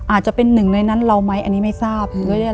อาจจะเป็นหนึ่งในนั้นเราไหมอันนี้ไม่ทราบ